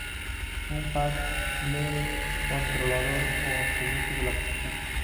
Un paddle es un controlador absoluto de la posición.